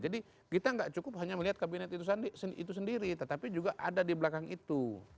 kita nggak cukup hanya melihat kabinet itu sendiri tetapi juga ada di belakang itu